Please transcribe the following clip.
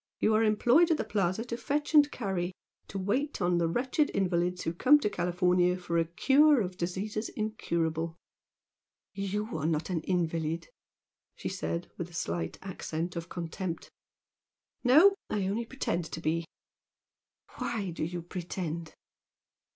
You are employed at the Plaza to fetch and carry; to wait on the wretched invalids who come to California for a 'cure' of diseases incurable " "YOU are not an invalid!" she said with a slight accent of contempt. "No! I only pretend to be!" "Why do you pretend?"